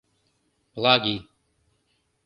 Плагий.